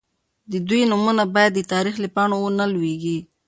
د دوی نومونه باید د تاریخ له پاڼو ونه لوېږي.